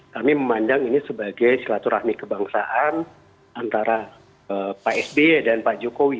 kami memandang ini sebagai silaturahmi kebangsaan antara pak sby dan pak jokowi